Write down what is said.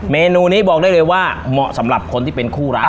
เมนูนี้บอกได้เลยว่าเหมาะสำหรับคนที่เป็นคู่รัก